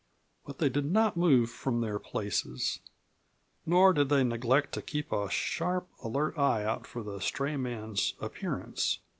But they did not move from their places, nor did they neglect to keep a sharp, alert eye out for the stray man's appearance.